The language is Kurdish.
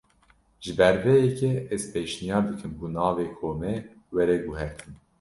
Ji ber vê yekê, ez pêşniyar dikim ku navê komê were guhertin